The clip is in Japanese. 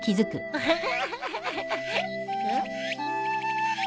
アハハ。